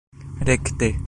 rekte